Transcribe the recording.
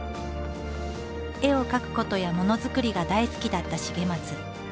絵を描くことやものづくりが大好きだった重松。